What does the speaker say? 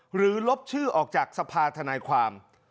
ลบชื่อออกจากสภาธนายความ